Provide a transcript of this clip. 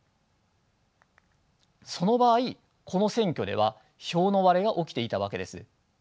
その場合この選挙では票の割れが起きていたわけです。